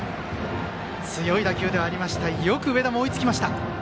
強い打球ではありましたがよく上田も追いつきました。